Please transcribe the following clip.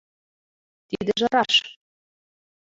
— Тидыже раш.